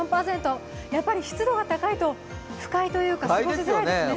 やっぱり湿度が高いと不快というか、過ごしづらいですね。